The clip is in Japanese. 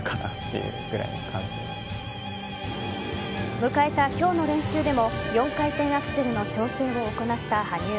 迎えた今日の練習でも４回転アクセルの調整を行った羽生。